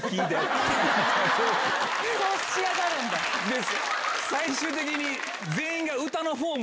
で最終的に。